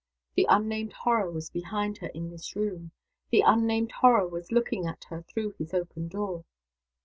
The unnamed Horror was behind her in his room. The unnamed Horror was looking at her through his open door.